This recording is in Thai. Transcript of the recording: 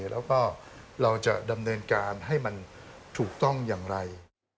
แล้วก็เราจะดำเนินการให้มันถูกต้องอย่างไร